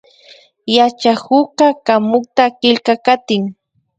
Yachakukka kamuta killkakatin